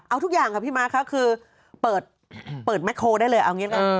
เอาทุกอย่างค่ะพี่ม้าค่ะคือเปิดแมคโคลได้เลยเอาอย่างนี้เลย